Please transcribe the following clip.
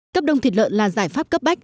cấp đông thịt lợn là giải pháp cấp bách